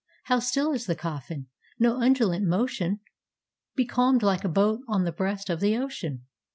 How still is the Coffin! No undulant motion; Becalmed like a boat on the breast of the ocean.